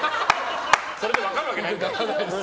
それで分かるわけないよ。